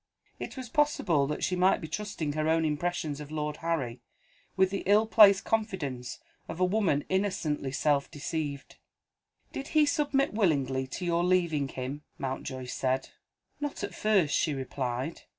It was possible that she might be trusting her own impressions of Lord Harry, with the ill placed confidence of a woman innocently self deceived. "Did he submit willingly to your leaving him?" Mountjoy said. "Not at first," she replied.